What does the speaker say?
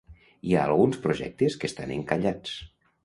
Hi ha alguns projectes que estan encallats.